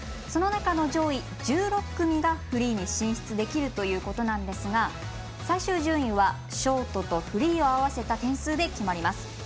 その中の上位１６組がフリーに進出できるということなんですが最終順位はショートとフリーを合わせた点数で決まります。